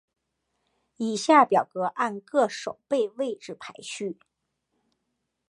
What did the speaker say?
以下表格按各守备位置排序。